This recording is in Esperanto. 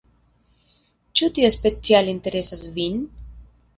Ĉu tio speciale interesas vin?